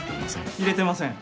入れてません。